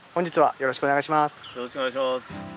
よろしくお願いします。